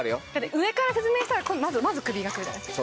上から説明したらまず首が来るじゃないですか。